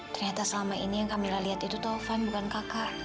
ternyata selama ini yang kami lihat itu tovan bukan kakak